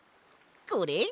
これ？